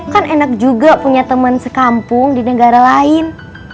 kan enak juga punya teman sekampung di negara lain